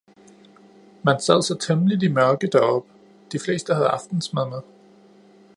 Man sad så temmeligt i mørke deroppe, de fleste havde aftensmad med